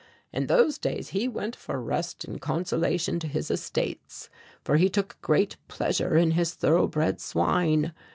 In those days he went for rest and consolation to his estates, for he took great pleasure in his thoroughbred swine.